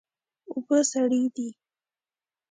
اوبه سړې دي